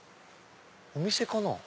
お店かな？